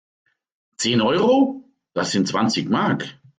Zehn Euro? Das sind zwanzig Mark!